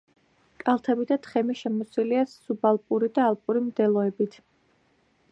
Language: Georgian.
კალთები და თხემი შემოსილია სუბალპური და ალპური მდელოებით.